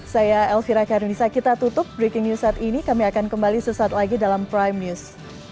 saya elvira karunisa kita tutup breaking news saat ini kami akan kembali sesaat lagi dalam prime news